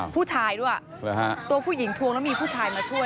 ผู้ชายด้วยตัวผู้หญิงทวงแล้วมีผู้ชายมาช่วย